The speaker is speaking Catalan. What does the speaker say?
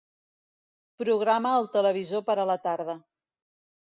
Programa el televisor per a la tarda.